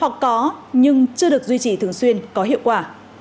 hoặc có nhưng chưa được duy trì thường xuyên có hiệu quả